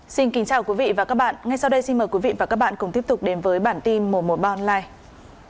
xin kính chào quý vị và các bạn ngay sau đây xin mời quý vị và các bạn cùng tiếp tục đến với bản tin mùa mùa online